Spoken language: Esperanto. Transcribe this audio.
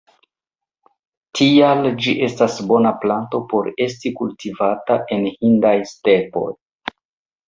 Tial ĝi estas bona planto por esti kultivata en hindaj stepoj.